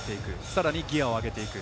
さらにギヤを上げていく。